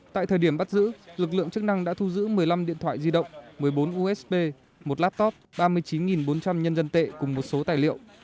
tại thời điểm bắt giữ lực lượng chức năng đã thu giữ một mươi năm điện thoại di động một mươi bốn usb một laptop ba mươi chín bốn trăm linh nhân dân tệ cùng một số tài liệu